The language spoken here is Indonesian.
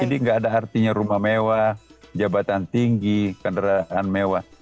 jadi gak ada artinya rumah mewah jabatan tinggi kendaraan mewah